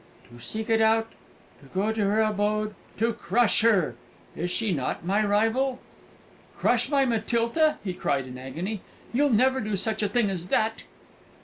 "To seek it out, to go to her abode, to crush her! Is she not my rival?" "Crush my Matilda?" he cried in agony. "You'll never do such a thing as that?"